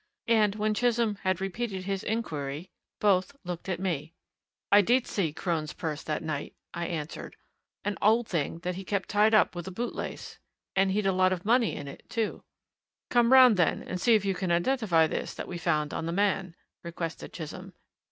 And when Chisholm had repeated his inquiry, both looked at me. "I did see Crone's purse that night," I answered, "an old thing that he kept tied up with a boot lace. And he'd a lot of money in it, too." "Come round, then, and see if you can identify this that we found on the man," requested Chisholm.